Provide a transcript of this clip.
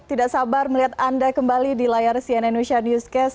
tidak sabar melihat anda kembali di layar cnn indonesia newscast